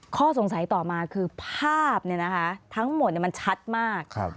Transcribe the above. ข้อสงสัยต่อมาคือภาพทั้งหมดมันชัดมาก